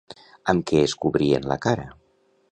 Amb què es cobrien la cara?